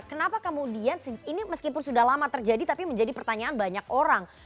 kenapa kemudian ini meskipun sudah lama terjadi tapi menjadi pertanyaan banyak orang